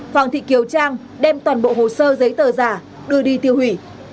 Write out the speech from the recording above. hoàng thị kiều trang đem toàn bộ hồ sơ giấy tờ giả đưa đi tiêu hủy